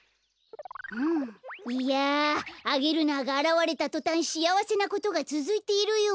いやアゲルナーがあらわれたとたんしあわせなことがつづいているよ。